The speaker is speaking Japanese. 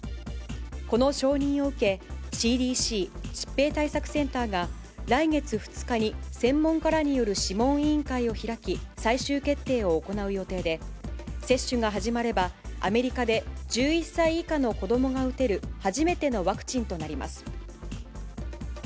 この承認を受け、ＣＤＣ・疾病対策センターが来月２日に専門家らによる諮問委員会を開き、最終決定を行う予定で、接種が始まれば、アメリカで１１歳以下の子どもが打てる初めてのワクチンとなります。